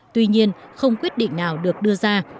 tuy nhiên không quyết định nào được đưa ra